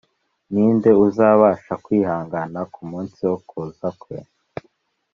“Ni nde uzabasha kwihangana ku munsi wo kuza kwe?